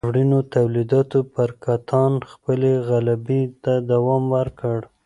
وړینو تولیداتو پر کتان خپلې غلبې ته دوام ورکړ.